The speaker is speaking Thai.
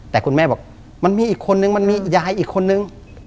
แต่คุณแม่บอกมันมีอีกคนนึงมันมียายอีกคนนึง